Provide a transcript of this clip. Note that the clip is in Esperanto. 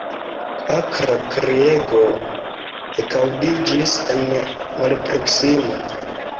Akra kriego ekaŭdiĝis en malproksimo.